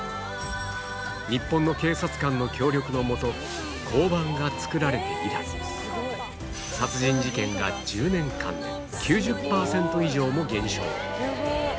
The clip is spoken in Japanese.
日本の警察官の協力のもと、交番が作られて以来、殺人事件が１０年間で９０％以上も減少。